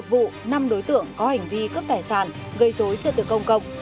một vụ năm đối tượng có hành vi cướp tài sản gây dối trật tự công cộng